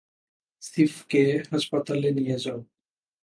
সিফকে হাসপাতালে নিয়ে যাও।